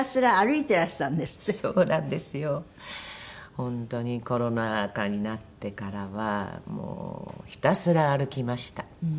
本当にコロナ禍になってからはもうひたすら歩きました。